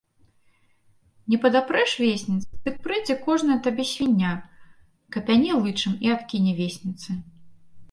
Не падапрэш весніц, дык прыйдзе кожная табе свіння, капяне лычам і адкіне весніцы.